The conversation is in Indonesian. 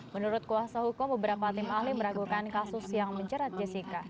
menurut kuasa hukum beberapa tim ahli meragukan kasus yang menjerat jessica